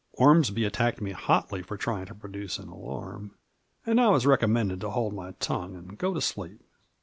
Ormsby attacked me hotly for trying to produce an alarm, and I was recommended to hold my tongue and go to sleep.